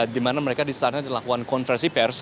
di mana mereka disana dilakukan konversi pers